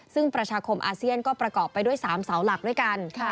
ซึ่งประชาคมอาเซียนก็ประกอบไปด้วย๓เสาหลักด้วยกัน